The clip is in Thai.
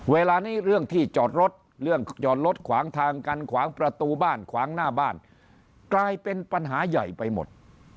เวลานี้เรื่องที่จอดรถเรื่องจอดรถขวางทางกันขวางประตูบ้านขวางหน้าบ้านกลายเป็นปัญหาใหญ่ไปหมด